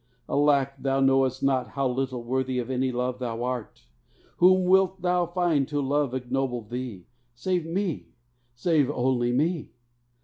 Alack, thou knowest not How little worthy of any love thou art! Whom wilt thou find to love ignoble thee Save Me, save only Me?